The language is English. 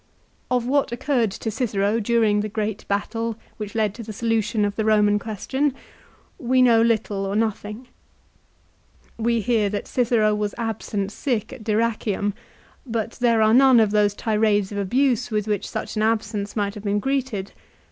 Of what occurred to Cicero during the great battle which L 2 148 LIFE OF CICERO. led to the solution of the Koman question we know little or nothing. We hear that Cicero was absent sick at Dyrrachium, but there are none of those tirades of abuse with which such an absence might have been greeted.